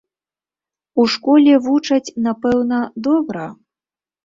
У школе вучаць, напэўна, добра?